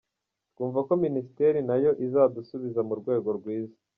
Twumva ko Minisiteri nayo izadusubiza mu rwego rwiza.